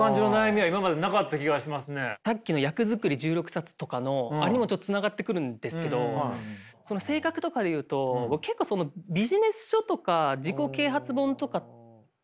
さっきの役作り１６冊とかのあれにもちょっとつながってくるんですけど性格とかでいうと結構ビジネス書とか自己啓発本とかを読んで。